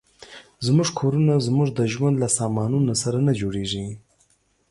زموږ کورونه زموږ د ژوند له سامانونو سره نه جوړېږي.